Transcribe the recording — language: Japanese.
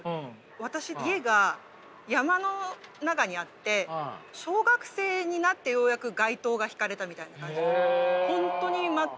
私家が山の中にあって小学生になってようやく街灯が引かれたみたいな感じ。